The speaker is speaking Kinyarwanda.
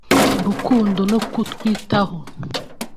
urukundo no kutwitaho